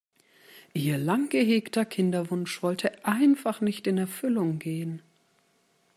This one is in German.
Ihr lang gehegter Kinderwunsch wollte einfach nicht in Erfüllung gehen.